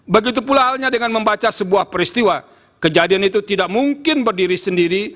begitu pula halnya dengan membaca sebuah peristiwa kejadian itu tidak mungkin berdiri sendiri